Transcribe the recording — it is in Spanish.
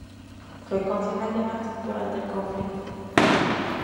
Fue concejal de Valls durante el conflicto.